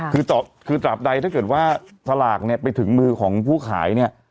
คือตราบใดถ้าเกิดว่าสลากเนี่ยไปถึงมือของผู้ขายเนี่ย